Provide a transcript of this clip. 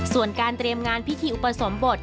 ส่วนการเตรียมงานพิธีอุปสมบท